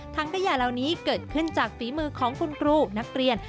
ขยะเหล่านี้เกิดขึ้นจากฝีมือของคุณครูนักเรียน